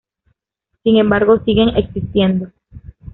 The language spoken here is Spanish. Sin embargo siguen existiendo.